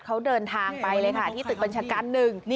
เขาเดินทางไปเลยค่ะที่ตึกบัญชาการหนึ่ง